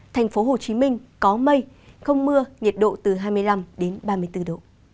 thành phố hồ chí minh có mây không mưa nhiệt độ từ hai mươi năm ba mươi bốn độ